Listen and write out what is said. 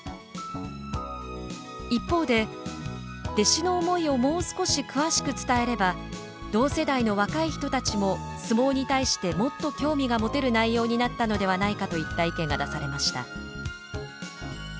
一方で「弟子の思いをもう少し詳しく伝えれば同世代の若い人たちも相撲に対してもっと興味が持てる内容になったのではないか」といった意見が出されました。